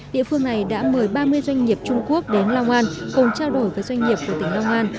địa phương này đã mời ba mươi doanh nghiệp trung quốc đến long an cùng trao đổi với doanh nghiệp của tỉnh long an